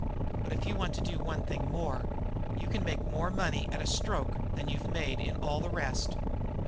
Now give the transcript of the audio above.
But if you want to do one thing more, you can make more money at a stroke than you've made in all the rest."